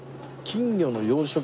金魚の養殖。